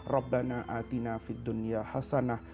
rabbana atina fid dunya hasanah